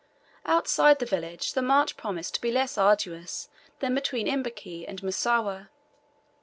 Outside the village the march promised to be less arduous than between Imbiki and Msuwa.